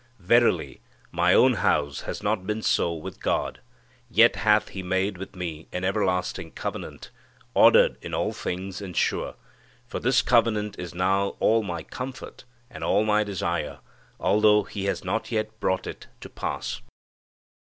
"Verily, my own house has not been so with God; Yet hath He made with me an everlasting covenant, Ordered in all things and sure. For this covenant is now all my comfort and all my desire, Although he has not yet brought it to pass."